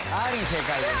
正解です。